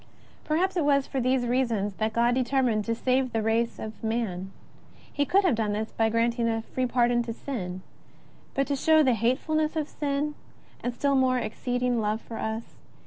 Perhaps it was for these reasons that God determined to save the race of man. He could have done this by granting a free pardon to us. But to show the hate fulness of sin, and still more His exceeding love for us.